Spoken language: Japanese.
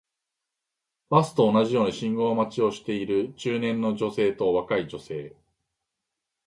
バスと同じように信号待ちをしている中年の女性と若い女性